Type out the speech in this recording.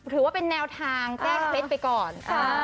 ถือว่าเป็นแนวทางแก้เคล็ดไปก่อน